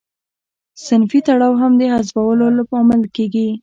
صنفي تړاو هم د حذفولو لامل کیږي.